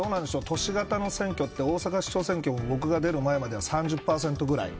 都市型の選挙って大阪市長選挙も僕が出るまでは、３０％ぐらい。